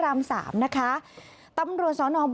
อ้าว